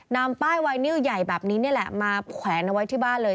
นำป้ายไวนิวใหญ่แบบนี้นี่แหละมาแขวนเอาไว้ที่บ้านเลย